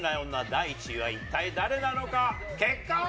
第１位は一体誰なのか。